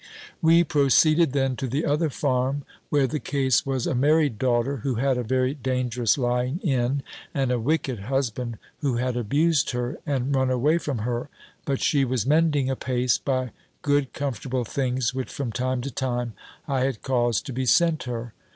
We proceeded then to the other farm, where the case was a married daughter, who had a very dangerous lying in, and a wicked husband who had abused her, and run away from her; but she was mending apace, by good comfortable things, which from time to time I had caused to be sent her.